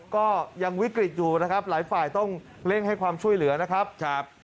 ก็ยังวิกฤตอยู่นะครับหลายฝ่ายต้องเร่งให้ความช่วยเหลือนะครับ